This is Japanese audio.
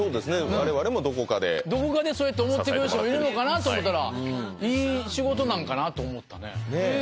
我々もどこかでどこかでそうやって思ってくれる人もいるのかなと思たらいい仕事なんかなと思ったね